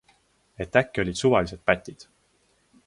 Et äkki olid suvalised pätid?